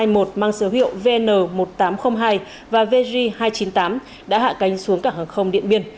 mang số hiệu vn một nghìn tám trăm linh hai và vg hai trăm chín mươi tám đã hạ cánh xuống cảng hàng không điện biên